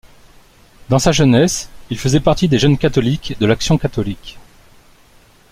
Dans sa jeunesse, il faisait partie des jeunes catholiques de l'action catholique.